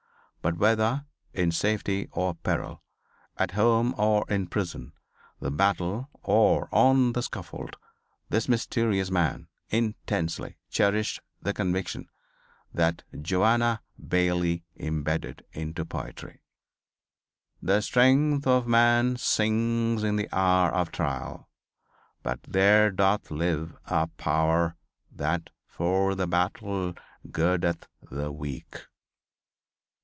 But whether in safety or peril, at home or in prison, in battle or on the scaffold, this mysterious man intensely cherished the conviction that Joanna Baillie imbedded into poetry: "The strength of man sinks in the hour of trial, But there doth live a power that for the battle Girdeth the weak."